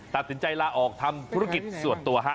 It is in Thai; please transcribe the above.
ตัดสินใจลาออกทำธุรกิจส่วนตัวฮะ